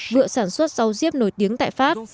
vựa sản xuất rau riếp nổi tiếng tại pháp